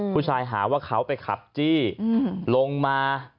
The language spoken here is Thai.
ผู้ชายหาว่าเขาไปขับจี้ลงมา